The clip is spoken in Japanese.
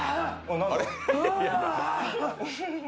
何？